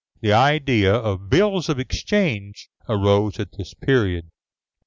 The idea of bills of exchange arose at this period.